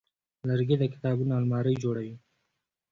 لرګی د کتابونو المارۍ جوړوي.